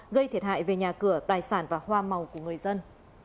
gây thiệt hại về nhà cửa tài sản và hoa màu của người dân